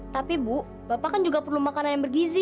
tapi bu bapak kan juga perlu makanan yang bergizi